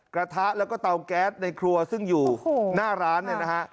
กระทะแล้วก็เตาแก๊สในครัวซึ่งอยู่หน้าร้านเนี่ยนะฮะ